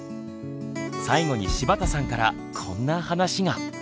最後に柴田さんからこんな話が。